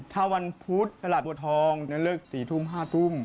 ถ้าวันพุธตลาดบัวทองจะเลิก๔ทุ่ม๕ทุ่ม